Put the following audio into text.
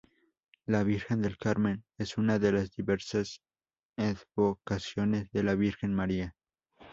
La Virgen del Carmen es una de las diversas advocaciones de la Virgen María.